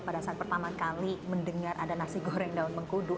pada saat pertama kali mendengar ada nasi goreng daun mengkudu